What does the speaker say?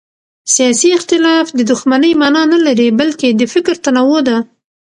سیاسي اختلاف د دښمنۍ مانا نه لري بلکې د فکر تنوع ده